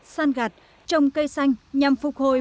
săn gạt trồng cây xanh nhằm phục hồi